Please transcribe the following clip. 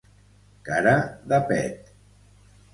Cara de pet.